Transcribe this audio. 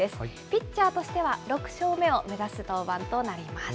ピッチャーとしては６勝目を目指す登板となります。